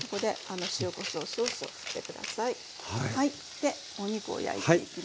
でお肉を焼いていきましょう。